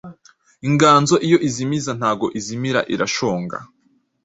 Inganzo iyo izimiza ntago izimira irashonga